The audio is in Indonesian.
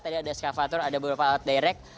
tadi ada eskavator ada beberapa alat direct